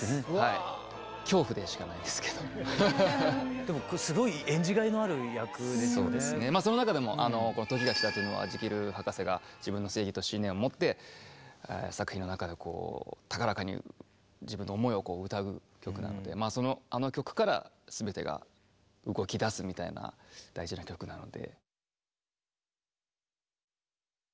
でもすごいその中でもこの「時が来た」というのはジキル博士が自分の正義と信念をもって作品の中でこう高らかに自分の思いを歌う曲なんであの曲から全てが動きだすみたいな大事な曲なので。